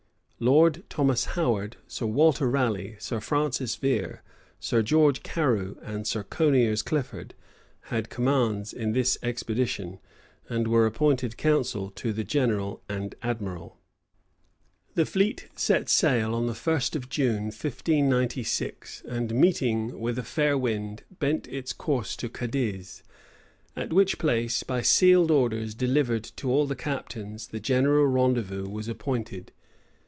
Lord Thomas Howard, Sir Walter Raleigh, Sir Francis Vere, Sir George Carew, and Sir Coniers Clifford had commands in this expedition, and were appointed council to the general and admiral.[*] The fleet set sail on the first of June, 1596; and meeting with a fair wind, bent its course to Cadiz, at which place, by sealed orders delivered to all the captains, the general rendezvous was appointed.